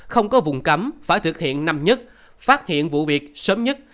không có vùng cấm phải thực hiện năm nhất phát hiện vụ việc sớm nhất